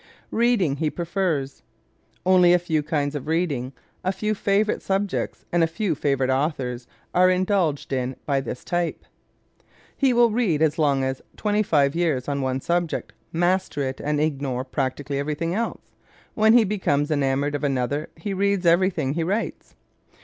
Reading He Prefers ¶ Only a few kinds of reading, a few favorite subjects and a few favorite authors are indulged in by this type. He will read as long as twenty five years on one subject, master it and ignore practically everything else. When he becomes enamored of an author he reads everything he writes.